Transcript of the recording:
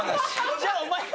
じゃあお前が。